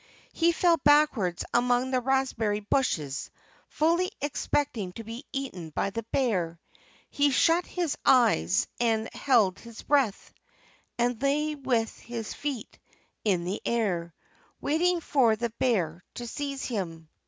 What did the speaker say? He fell backwards among the raspberry bushes, fully expecting to be eaten by the bear. He shut his eyes and held his breath, and lay with his feet in the air, waiting for the bear to seize him.